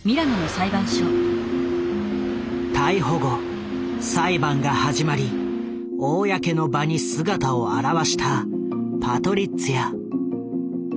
逮捕後裁判が始まり公の場に姿を現したパトリッツィア。